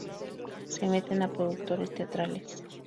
Se meten a productores teatrales.